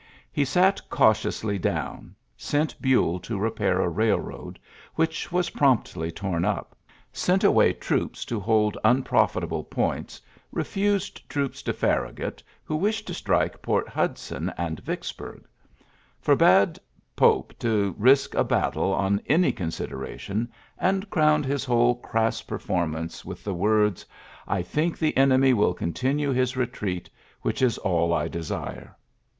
He sat c tiously down 5 sent Buell to repai railroad, which was promptly torn ' sent away troops to hold unprofifc points 5 refused troops to Farragut, ^ wished to strike Port Hudson and Vi< burg ; forbade Pope to risk a battle any consideration 5 and crowned ULYSSES S. GBANT 71 whole crass performance with the words : '^I think the enemy will continue his retreat, which is all I desire.''